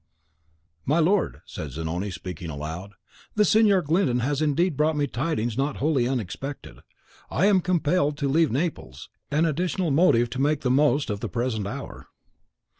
"My lord," said Zanoni, speaking aloud, "the Signor Glyndon has indeed brought me tidings not wholly unexpected. I am compelled to leave Naples, an additional motive to make the most of the present hour."